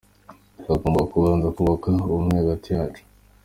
Twagombaga kubanza kubaka ubumwe hagati yacu.